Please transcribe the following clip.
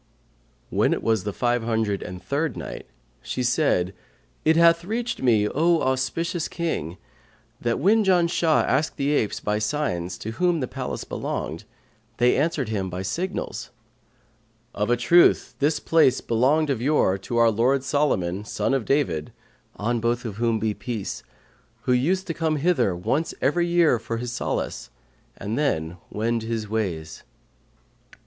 When it was the Five Hundred and Third Night, She said, It hath reached me, O auspicious King, that when Janshah asked the apes by signs to whom the palace belonged, they answered him by signals, "'Of a truth this place belonged of yore to our lord Solomon, son of David (on both of whom be peace!), who used to come hither once every year for his solace, and then wend his ways.'